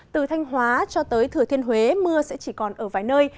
từ thanh hóa cho tới thừa thiên huế mưa sẽ chỉ còn ở vài nơi